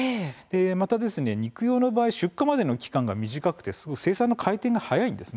また肉用の場合出荷までの期間が短く生産の回転が早いんです。